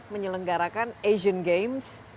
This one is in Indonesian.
menyelenggarakan asian games